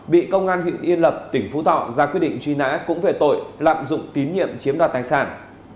bị công an huyện yên lập tỉnh phú thọ ra quyết định truy nã cũng về tội lạm dụng tín nhiệm chiếm đoạt tài sản